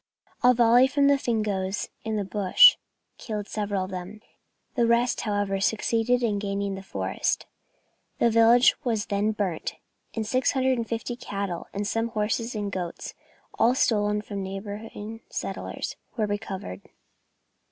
A volley from the Fingoes in the bush killed several of them; the rest, however, succeeded in gaining the forest. The village was then burnt, and 650 cattle and some horses and goats, all stolen from neighbouring settlers, were recovered.